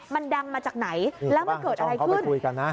มันดังมาจากไหนแล้วมันเกิดอะไรขึ้น